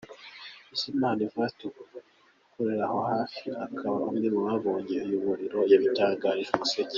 Bizimana Evariste ukorera aho hafi akaba umwe mu babonye uyu muriro yabitangarije Umuseke.